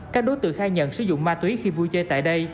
các đối tượng khai nhận sử dụng ma túy khi vui chơi tại đây